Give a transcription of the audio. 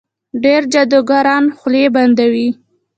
ډېر جادوګران خولې بندوي.